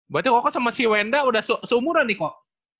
berarti koko sama si wenda udah seumuran nih kok